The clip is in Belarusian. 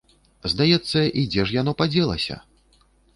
Здаецца, і дзе ж яно падзелася?